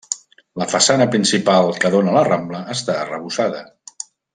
La façana principal que dóna a la Rambla està arrebossada.